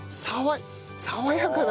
爽やかな。